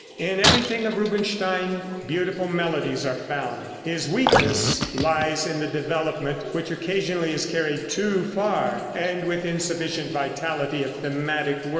In everything of Rubinstein beautiful melodies are found; his weakness lies in the development, which occasionally is carried too far, and with insufficient vitality of thematic work.